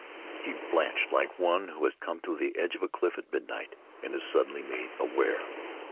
He blanched like one who has come to the edge of a cliff at midnight and is suddenly made aware.